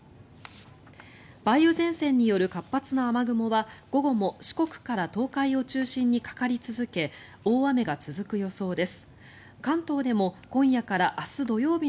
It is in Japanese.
梅雨前線による活発な雨雲は午後から四国から東海を中心にかかり始め大雨が続く予想です。